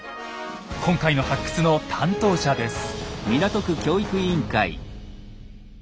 今回の発掘の担当者です。